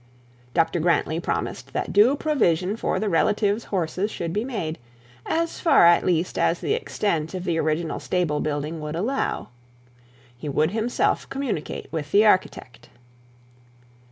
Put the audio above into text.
Dr Grantly promised that due provision for the relatives' horses should be made, as far at least as the extent of the original stable building would allow. He would himself communicate with the architect.